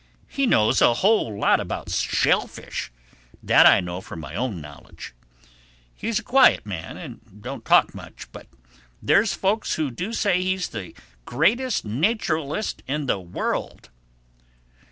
He knows a whole lot about shellfish—that I know from my own knowledge. He's a quiet man and don't talk much; but there's folks who do say he's the greatest nacheralist in the world."